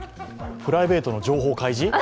プライベートの情報開示？